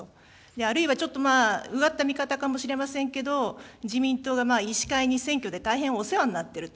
あるいはちょっと、うがった見方かもしれませんけど、自民党が医師会に選挙で大変お世話になっていると。